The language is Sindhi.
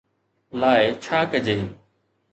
لاءِ ڇا ڪجي